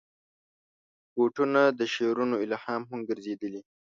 بوټونه د شعرونو الهام هم ګرځېدلي.